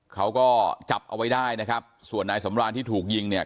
เขาก็จับเอาไว้ได้นะครับส่วนนายสำรานที่ถูกยิงเนี่ย